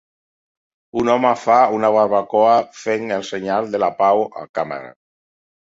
Un home fa una barbacoa fent el senyal de la pau a càmera